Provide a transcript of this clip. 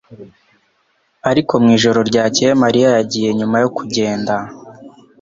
ariko mwijoro ryakeye Mariya yagiye nyuma yo kugenda